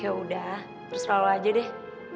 yaudah terus selalu aja deh